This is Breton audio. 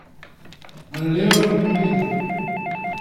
Al levr melenañ.